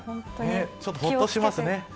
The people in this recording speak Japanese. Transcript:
ちょっとほっとしますね。